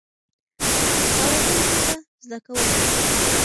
اورېدونکي به زده کول.